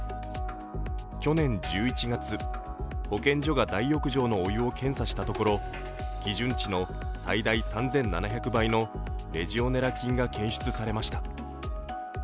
去年１１月、保健所が大浴場のお湯を検査したところ基準値の最大３７００倍のレジオネラ菌が検出されました。